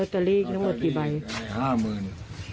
อ๋อโชคหน้าเลย